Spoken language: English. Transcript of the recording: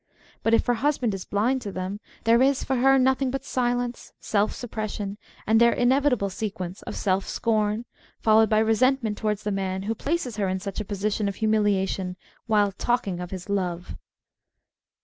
But if her husband is blind to them there is for her nothing but silence, self suppression, and their inevitable sequence of self scorn, followed by resentment to Woman's "Contrariness" ^^ wards the man who places her in such a position of humiUation while talking of his " love."